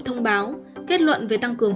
thông báo kết luận về tăng cường